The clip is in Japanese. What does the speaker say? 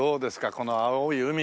この青い海。